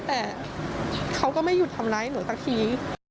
แต่เขาก็ไม่หยุดทำร้ายหนูสักที